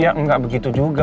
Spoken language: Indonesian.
ya enggak begitu juga